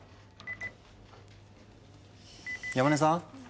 山根さん？